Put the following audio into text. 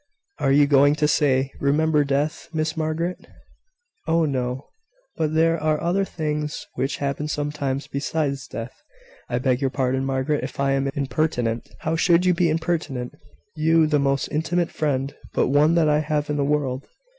Are you going to say, `Remember death, Miss Margaret?'" "Oh, no; but there are other things which happen sometimes besides death. I beg your pardon, Margaret, if I am impertinent " "How should you be impertinent? You, the most intimate friend but one that I have in the world!